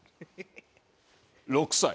６歳。